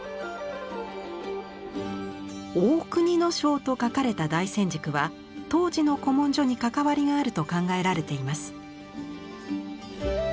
「大國庄」と書かれた題箋軸は東寺の古文書に関わりがあると考えられています。